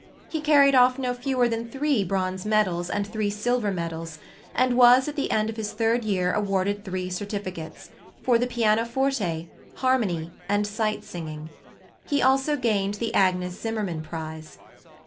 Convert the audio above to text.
He carried off no fewer than three bronze and three silver medals, and was at the end of his third year awarded three certificates: for the pianoforte, harmony, and sight singing. He also gained the Agnes Zimmermann Prize.